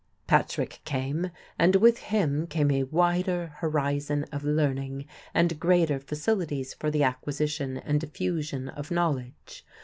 Patrick came: and with him came a wider horizon of learning and greater facilities for the acquisition and diffusion of knowledge.